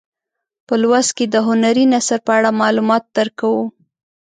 په لوست کې د هنري نثر په اړه معلومات درکوو.